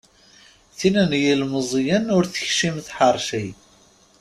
Tin n yilmeẓyen ur tekcim tḥerci.